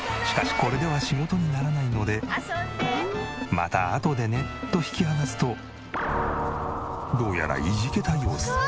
しかしこれでは仕事にならないので「またあとでね」と引き離すとどうやらいじけた様子。